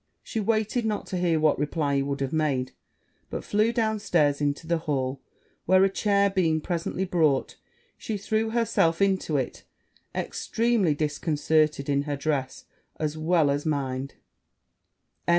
She waited not to hear what reply he would have made, but flew down stairs into the hall; where a chair being presently brought, she threw herself into it, extremely disconcerted in her dress as well as mind.